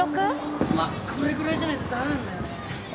まっこれぐらいじゃないと駄目なんだよね。